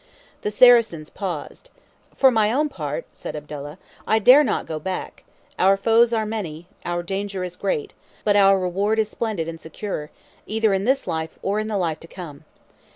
The Saracens paused: "For my own part," said Abdallah, "I dare not go back: our foes are many, our danger is great, but our reward is splendid and secure, either in this life or in the life to come.